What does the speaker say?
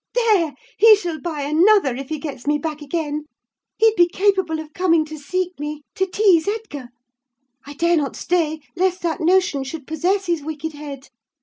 "There! he shall buy another, if he gets me back again. He'd be capable of coming to seek me, to tease Edgar. I dare not stay, lest that notion should possess his wicked head!